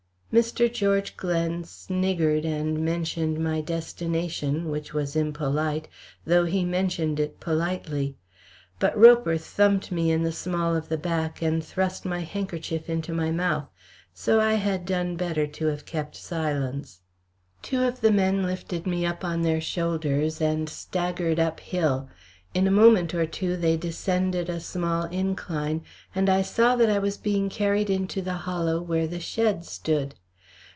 Mr. George Glen sniggered and mentioned my destination, which was impolite, though he mentioned it politely; but Roper thumped me in the small of the back, and thrust my handkerchief into my mouth. So I had done better to have kept silence. Two of the men lifted me up on their shoulders and staggered up hill. In a moment or two they descended a small incline, and I saw that I was being carried into the hollow where the shed stood.